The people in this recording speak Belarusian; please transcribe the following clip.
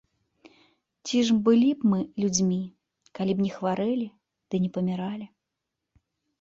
Ці ж былі б мы людзьмі, калі б не хварэлі ды не паміралі?